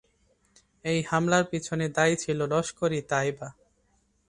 এই হামলার পিছনে দায়ী ছিল লস্কর-ই-তাইয়েবা।